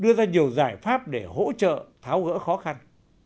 đưa ra nhiều giải pháp để hỗ trợ tháo gỡ khó khăn